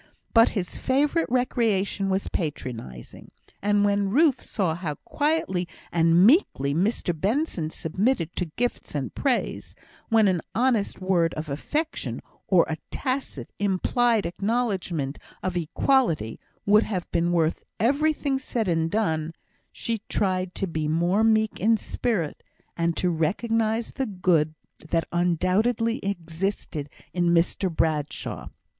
But his favourite recreation was patronising; and when Ruth saw how quietly and meekly Mr Benson submitted to gifts and praise, when an honest word of affection, or a tacit, implied acknowledgment of equality, would have been worth everything said and done, she tried to be more meek in spirit, and to recognise the good that undoubtedly existed in Mr Bradshaw.